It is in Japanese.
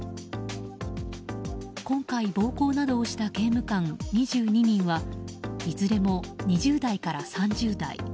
今回、暴行などをした刑務官２２人はいずれも２０代から３０代。